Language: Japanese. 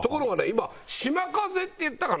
今しまかぜっていったかな？